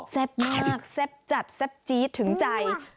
แซ่บมากแซ่บจัดแซ่บจี๊ดถึงใจ